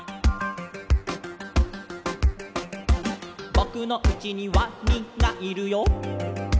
「ぼくのうちにワニがいるよ」